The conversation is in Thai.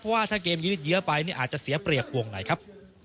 เพราะว่าถ้าเกมยืดเยอะไปอาจจะเสียเปรียกวงหน่อยครับ